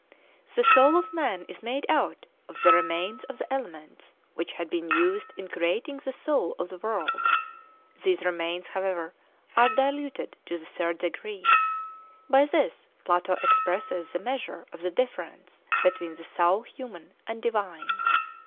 The soul of man is made out of the remains of the elements which had been used in creating the soul of the world; these remains, however, are diluted to the third degree; by this Plato expresses the measure of the difference between the soul human and divine.